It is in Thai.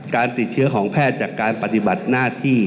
การติดเชื้อของแพทย์จากการปฏิบัติหน้าที่